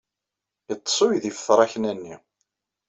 Yeḍḍes uydi ɣef tṛakna-nni.